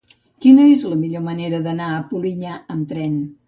Quina és la millor manera d'anar a Polinyà amb tren?